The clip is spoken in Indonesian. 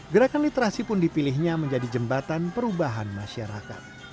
gerakan literasi pun dipilihnya menjadi jembatan perubahan masyarakat